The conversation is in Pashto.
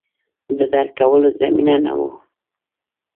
د درک کولو زمینه نه وه